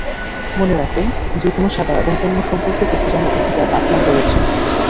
মনে রাখবেন, যেকোনো সেবা এবং পণ্য সম্পর্কে তথ্য জানার অধিকার আপনার রয়েছে।